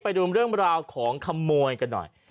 ไปดูเรื่องราวของขโมยกันหน่อย